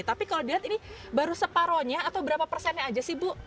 tapi kalau dilihat ini baru separohnya atau berapa persennya aja sih bu